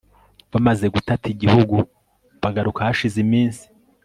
bamaze gutata igihugu bagaruka hashize iminsi